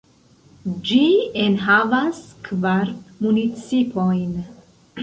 Ĝi enhavas kvar municipojn.